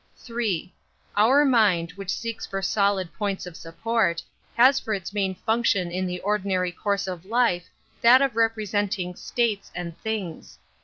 III. Our mind, which seeks for solid points of support, has for its main func tion in the ordinary course of life that of representing states and things.